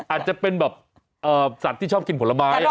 อาจจะเป็นแบบสัตว์ที่ชอบกินผลไม้